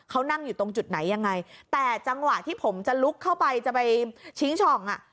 เขานั่งอยู่ตรงจุดไหนยังไงแต่จังหวะที่ผมจะลุกเข้าไปจะไปชิงช่องอ่ะ